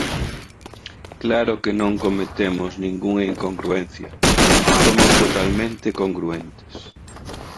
Claro que non cometemos ningunha incongruencia, somos totalmente congruentes.